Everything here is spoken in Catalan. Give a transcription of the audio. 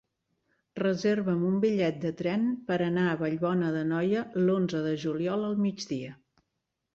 Reserva'm un bitllet de tren per anar a Vallbona d'Anoia l'onze de juliol al migdia.